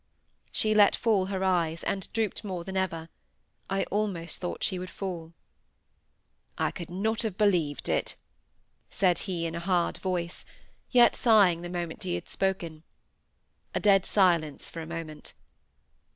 She let fall her eyes, and drooped more than ever. I almost thought she would fall. "I could not have believed it," said he, in a hard voice, yet sighing the moment he had spoken. A dead silence for a moment.